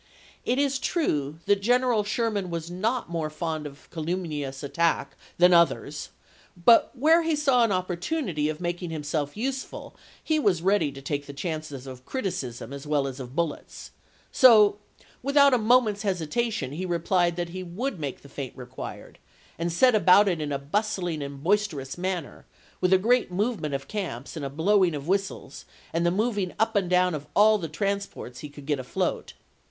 It is true that General Sherman was not more fond of calumnious attack than others, but where he saw an opportunity of making himself useful he was ready to take the chances of criticism as well as of bullets ; so without a mo ment's hesitation he replied that he would make the feint required, and set about it in a bustling and boisterous manner, with a great movement of camps, and a blowing of whistles, and the moving up and down of all the transports he could get afloat.